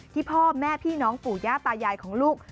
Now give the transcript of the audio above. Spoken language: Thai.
พ่อแม่พี่น้องปู่ย่าตายายของลูก